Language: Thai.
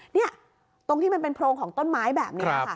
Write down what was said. นี่ตรงที่มันเป็นโพรงของต้นไม้แบบนี้ค่ะ